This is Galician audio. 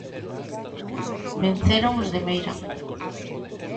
Venceron os de Meira.